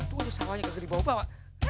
tuh ada sawahnya kegeri bawa bawa